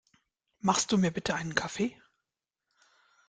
Machst du mir bitte einen Kaffee?